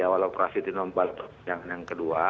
awal operasi tino mbal yang kedua